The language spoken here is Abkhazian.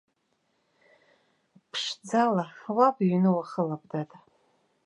Ԥшӡала, уаб иҩны уахылап, дад.